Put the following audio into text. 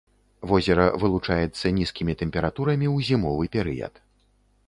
Возера вылучаецца нізкімі тэмпературамі ў зімовы перыяд.